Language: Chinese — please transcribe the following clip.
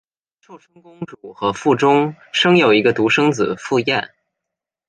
寿春公主和傅忠生有一个独生子傅彦。